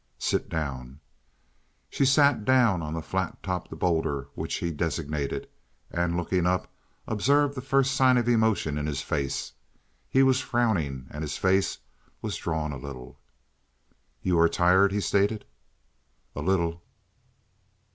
"Sit down." She sat down on the flat topped boulder which he designated, and, looking up, observed the first sign of emotion in his face. He was frowning, and his face was drawn a little. "You are tired," he stated. "A little."